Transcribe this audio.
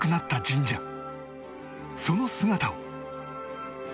その姿を